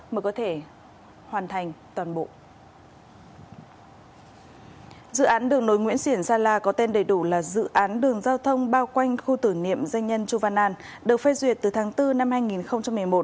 bao quanh khu tử niệm doanh nhân chu văn an được phê duyệt từ tháng bốn năm hai nghìn một mươi một